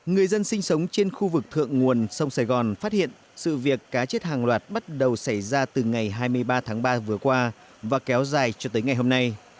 người dân sinh sống trên khu vực thượng nguồn sông sài gòn phát hiện sự việc cá chết hàng loạt bắt đầu xảy ra từ ngày hai mươi ba tháng ba vừa qua và kéo dài cho tới ngày hôm nay